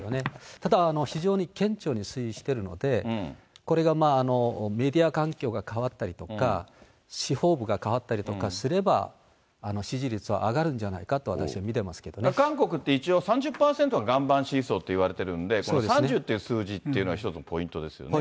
ただ、非常に顕著に推移してるので、これがメディア環境が変わったりとか、部が変わったりとかすれば支持率が上がるんじゃないかと私は見韓国って一応３０％が岩盤支持層といわれているので、この３０っていう数字というのは１つポポイントですね。